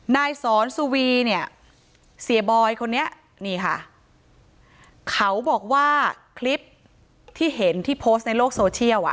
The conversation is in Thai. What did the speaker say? นายสอนสุวีเนี่ยเสียบอยคนนี้นี่ค่ะเขาบอกว่าคลิปที่เห็นที่โพสต์ในโลกโซเชียลอ่ะ